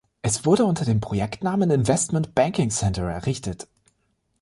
Es wurde unter dem Projektnamen "Investment Banking Center" errichtet.